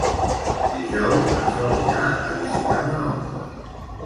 Dijous na Sol irà a visitar mon oncle.